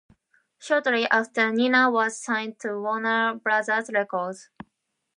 Shortly after, Nina was signed to Warner Brothers Records.